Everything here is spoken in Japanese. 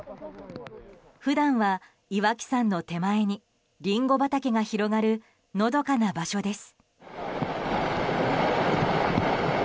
普段は岩木山の手前にリンゴ畑が広がるのどかな場所です。